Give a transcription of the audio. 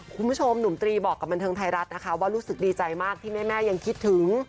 คุณผู้ชมหนุ่มตรีบอกกับบันเทิงไทยรัฐนะคะว่ารู้สึกดีใจมากที่แม่ยังคิดถึง